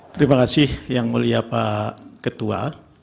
terima kasih yang mulia pak ketua